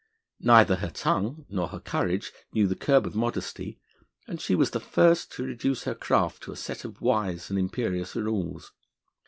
Neither her tongue nor her courage knew the curb of modesty, and she was the first to reduce her craft to a set of wise and imperious rules.